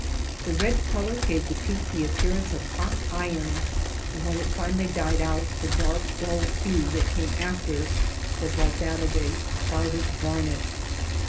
The red color gave the peak the appearance of hot iron, and when it finally died out the dark dull hue that came after was like that of a clouded garnet.